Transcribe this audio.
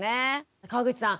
川口さん